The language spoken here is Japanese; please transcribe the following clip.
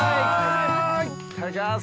・いただきます！